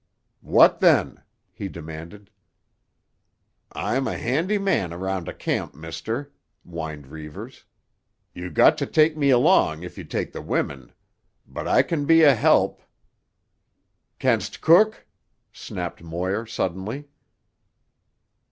"What then?" he demanded. "I'm a handy man around a camp, mister," whined Reivers. "You got to take me along if you take the women, but I can be a help——" "Canst cook?" snapped Moir suddenly.